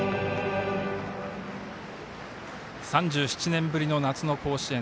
３７年ぶりの夏の甲子園。